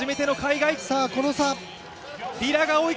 この差！